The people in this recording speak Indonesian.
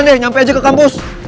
deh nyampe aja ke kampus